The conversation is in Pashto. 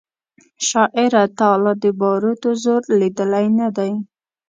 شاعره تا لا د باروتو زور لیدلی نه دی